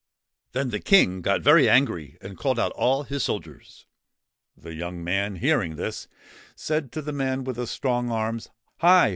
Then the King got very angry and called out all his soldiers. The young man, hearing this, said to the man with the strong arms: ' Hi